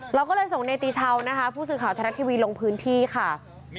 เราก็เลยส่งเนติชาวนะคะผู้สื่อข่าวไทยรัฐทีวีลงพื้นที่ค่ะ